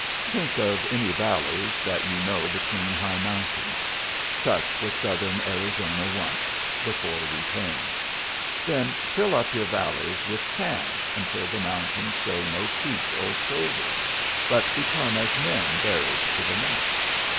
Think of any valleys that you know between high mountains. Such was southern Arizona once before we came. Then fill up your valleys with sand until the mountains show no feet or shoulders, but become as men buried to the neck.